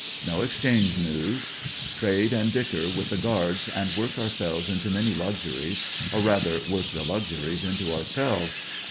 No exchange news. Trade and dicker with the guards and work ourselves into many luxuries, or rather work the luxuries into ourselves.